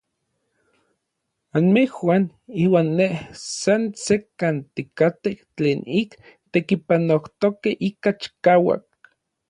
Anmejuan iuan nej san sekkan tikatej tlen ik titekipanojtokej ika chikauak.